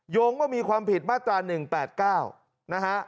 งงว่ามีความผิดมาตรา๑๘๙นะฮะ